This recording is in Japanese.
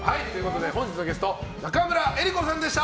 本日のゲスト中村江里子さんでした。